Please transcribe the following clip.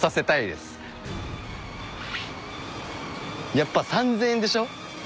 やっぱ３，０００円でしょ。